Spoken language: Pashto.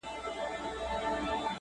ټول اصول مو تر پښو لاندې کړي دي